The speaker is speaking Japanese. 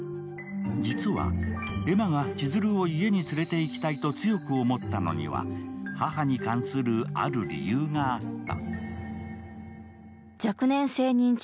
実は、恵真が千鶴を家に連れていきたいと強く思ったのには母に関するある理由があった。